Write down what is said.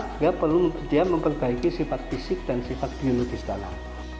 sehingga perlu dia memperbaiki sifat fisik dan sifat biologis dalam